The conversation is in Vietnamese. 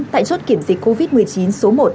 tại chốt kiểm dịch covid một mươi chín số một